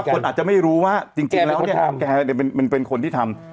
ใช่แต่ว่าคนอาจจะไม่รู้ว่าจริงจริงแล้วเนี้ยแกเป็นคนที่ทำ